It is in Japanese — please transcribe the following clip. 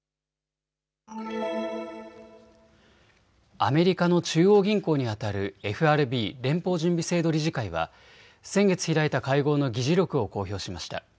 アメリカの中央銀行にあたるＦＲＢ・連邦準備制度理事会は先月開いた会合の議事録を公表しました。